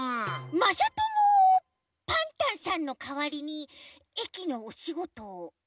まさともパンタンさんのかわりに駅のおしごとやる？